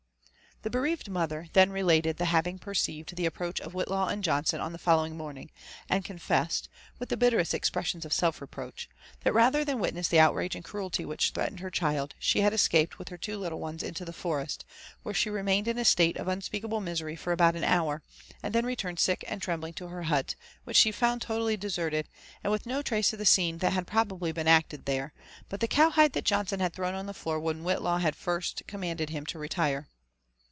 The bereaved mother then related the having perceived the approach of Whitlaw and Johnson on the following morning, and confessed, with the bitterest expressions of self reproach, that rather than witness the outrage and cruelly which threatened her child, she had escaped with her two little ones into the forest, where^she remained in a state of unspeakable misery for about an hour, and then returned sick and trembling to her hut, which she found totally deserted, and with no trace of the scene that had probably been acted there, but the cow hide that Johnson had thrown on the floor when Whitlaw had first com manded him to retire.